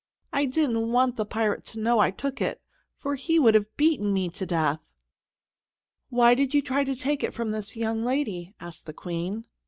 I didn't want the pirate to know I took it, for he would have beaten me to death." "Why did you try to take it from this young lady?" asked the Queen.